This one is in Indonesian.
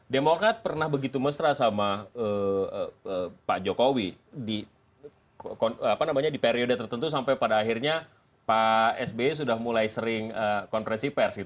demokrat pernah begitu mesra sama pak jokowi di periode tertentu sampai pada akhirnya pak sby sudah mulai sering konferensi pers